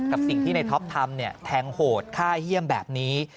กับสิ่งที่ในท็อปทำแทงโหดฆ่าเยี่ยมแบบนี้